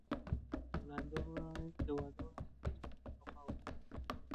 د واده وړاندیز د شتمن سړي له خوا و.